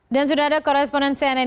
dan sudah ada koresponen cnn